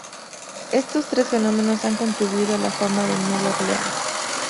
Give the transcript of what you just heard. Estos tres fenómenos han contribuido a la fama de Nueva Orleans.